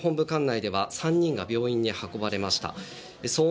管内では３人が病院に運ばれました。